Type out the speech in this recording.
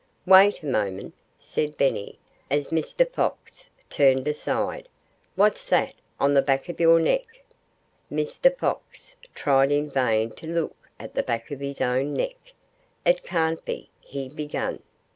"Wait a moment!" said Benny, as Mr. Fox turned aside. "What's that on the back of your neck?" Mr. Fox tried in vain to look at the back of his own neck. "It can't be " he began.